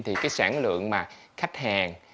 thì cái sản lượng mà khách hàng